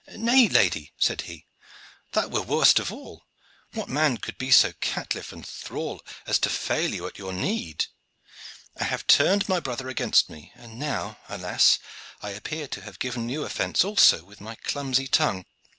"Nay, lady," said he, "that were worst of all. What man would be so caitiff and thrall as to fail you at your need? I have turned my brother against me, and now, alas! I appear to have given you offence also with my clumsy tongue.